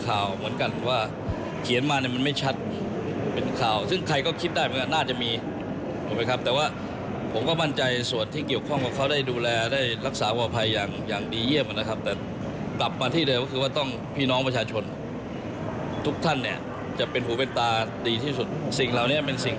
อาจจะเป็นแค่การประเมินสถานการณ์และข้อควรระวัง